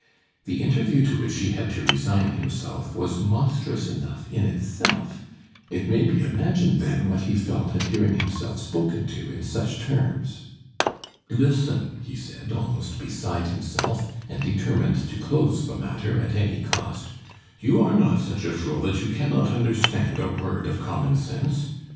The interview to which he had to resign himself was monstrous enough in itself; it may be imagined, then, what he felt at hearing himself spoken to in such terms. "Listen," he said, almost beside himself, and determined to close the matter at any cost. "You are not such a fool that you cannot understand a word of common sense.